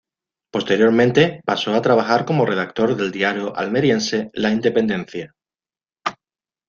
Posteriormente pasó a trabajar como redactor del diario almeriense "La Independencia".